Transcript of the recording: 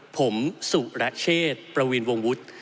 ผมสุรเชษประวินวงวุฒิ